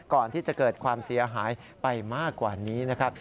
ก่อนที่จะเกิดความเสียหายไปมากกว่านี้นะครับ